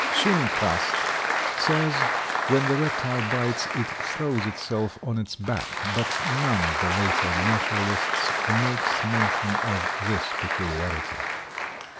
Sumichrast says when the reptile bites it throws itself on its back, but none of the later naturalists makes mention of this peculiarity.